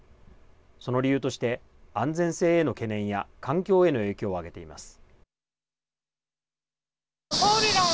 その理由として安全性への懸念や環境への影響を挙げています。